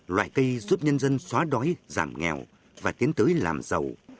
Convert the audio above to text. loại cây giúp nhân dân xóa đói giảm nghèo và tiến tới làm giàu